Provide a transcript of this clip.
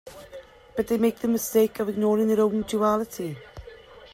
But they make the mistake of ignoring their own duality.